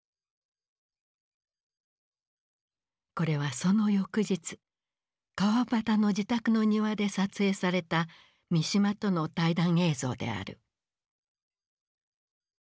これはその翌日川端の自宅の庭で撮影された三島との対談映像である。